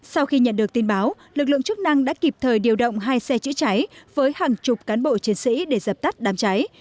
sau khi nhận được tin báo lực lượng chức năng đã kịp thời điều động hai xe chữa cháy với hàng chục cán bộ chiến sĩ để dập tắt đám cháy